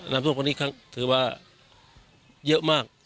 น้ำท่วมท่านี้คือเยอะมาก